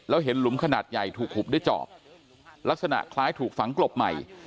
แล้วเห็นหลุมขนาดใหญ่ถูกหุบด้วยจอบลักษณะคล้ายถูกฝังกลบใหม่